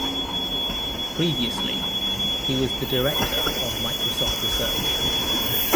Previously, he was the director of Microsoft Research.